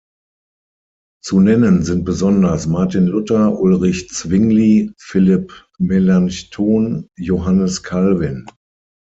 Zu nennen sind besonders Martin Luther, Ulrich Zwingli, Philipp Melanchthon, Johannes Calvin.